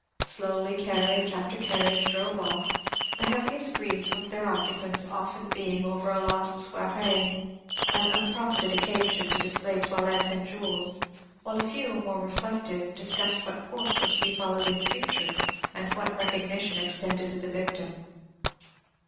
Slowly carriage after carriage drove off, the heaviest grief of their occupants often being over a lost soirée, an unprofited occasion to display toilette and jewels; while a few, more reflective, discussed what course was to be followed in future, and what recognition extended to the victim.